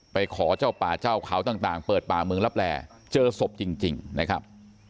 ไปขอเจ้าป่าเจ้าเขาต่างเปิดป่าเมืองลับแหล่เจอศพจริงนะครับ